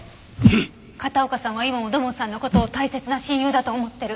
片岡さんは今も土門さんの事を大切な親友だと思ってる。